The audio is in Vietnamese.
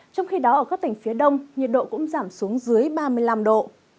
trong khi đó ở các tỉnh phía đông nhiệt độ cũng giảm xuống dưới ba mươi năm độ